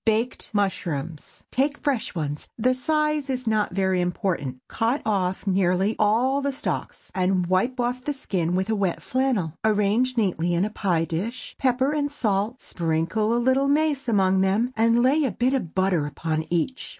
BAKED MUSHROOMS. Take fresh ones,—the size is not very important,—cut off nearly all the stalks, and wipe off the skin with wet flannel. Arrange neatly in a pie dish, pepper and salt, sprinkle a little mace among them, and lay a bit of butter upon each.